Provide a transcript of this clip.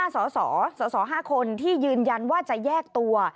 สส๕คนที่ยืนยันว่าจะแยกตัว